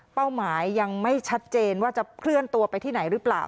หมายยังไม่ชัดเจนว่าจะเคลื่อนตัวไปที่ไหนหรือเปล่า